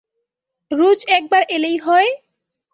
রোজ একবার এলেই হয়!